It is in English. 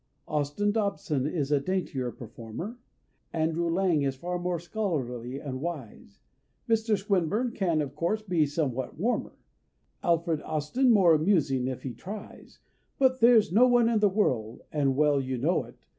Austin Dobson is a daintier performer, Andrew Lang is far more scholarly and wise, Mr. Swinburne can, of course, be somewhat warmer, Alfred Austin more amusing, if he tries; But there's no one in the world (and well you know it!)